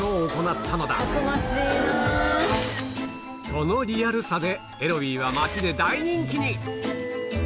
そのリアルさでエロウィは街で大人気に！